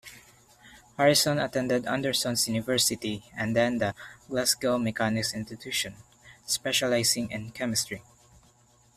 Harrison attended Anderson's University and then the Glasgow Mechanics' Institution, specialising in chemistry.